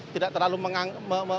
tidak terlalu menganggur